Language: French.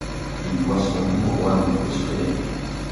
Il doit son nom au roi de Prusse, Frédéric.